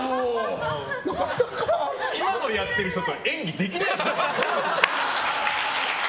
今のやってる人と演技できないでしょ。